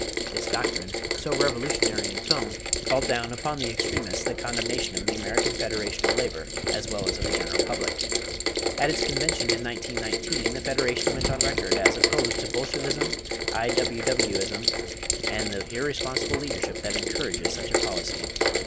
This doctrine, so revolutionary in tone, called down upon the extremists the condemnation of the American Federation of Labor as well as of the general public. At its convention in 1919, the Federation went on record as "opposed to Bolshevism, I.W.W. ism, and the irresponsible leadership that encourages such a policy."